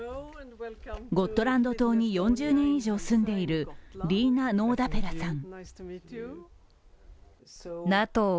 ゴットランド島に４０年以上住んでいるリーナ・ノーダペラさん。